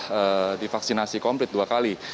sudah divaksinasi komplit dua kali